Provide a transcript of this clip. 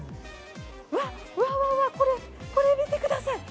うわっ、うわうわ、これ見てください。